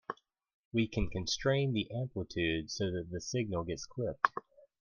We can constrain the amplitude so that the signal gets clipped.